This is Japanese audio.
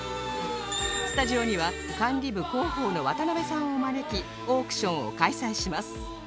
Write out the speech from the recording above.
スタジオには管理部広報の渡邊さんを招きオークションを開催します